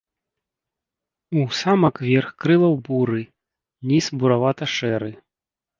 У самак верх крылаў буры, ніз буравата-шэры.